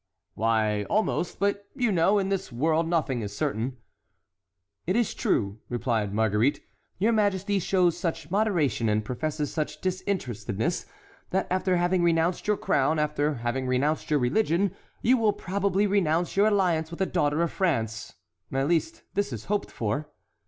"Why, almost; but you know, in this world nothing is certain." "It is true," replied Marguerite, "your majesty shows such moderation and professes such disinterestedness, that after having renounced your crown, after having renounced your religion, you will probably renounce your alliance with a daughter of France; at least this is hoped for."